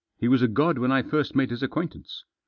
He was a god when I first made his acquaintance.